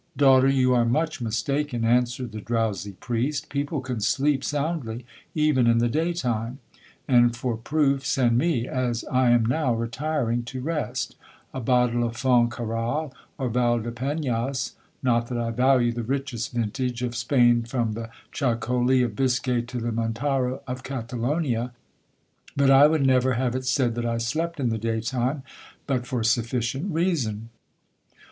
'—'Daughter, you are much mistaken,' answered the drowsy priest; 'people can sleep soundly even in the day time; and for proof send me, as I am now retiring to rest, a bottle of Foncarral or Valdepenas—not that I value the richest vintage of Spain from the Chacoli of Biscay to the Mataro of Catalonia,1 but I would never have it said that I slept in the day time, but for sufficient reason.'